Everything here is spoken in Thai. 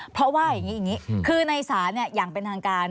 เพราะว่าอย่างนี้อย่างนี้คือในศาลอย่างเป็นทางการ